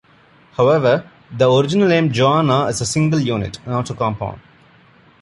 However, the original name Joanna is a single unit, not a compound.